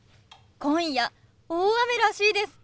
今夜大雨らしいです。